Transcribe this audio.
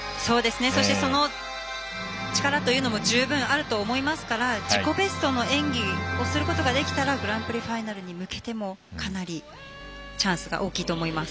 そして、その力というのも十分にあると思いますから自己ベストの演技をすることができたらグランプリファイナルに向けてもかなりチャンスが大きいと思います。